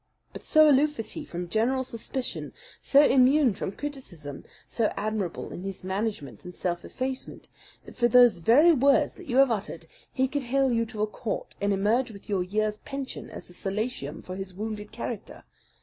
But so aloof is he from general suspicion, so immune from criticism, so admirable in his management and self effacement, that for those very words that you have uttered he could hale you to a court and emerge with your year's pension as a solatium for his wounded character.